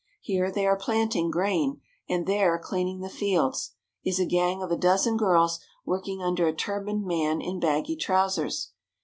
Here they are planting grain, and there, cleaning the fields, is a gang of a dozen girls working under a turbaned man in baggy trousers.